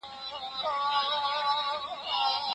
هغوی باید د ښوونځي په رخصتیو کې مطالعه وکړي.